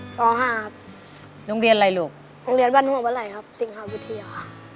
ป๕ครับโรงเรียนอะไรลูกโรงเรียนบ้านหัวเมื่อไหร่ครับสิงหาวิทยาค่ะ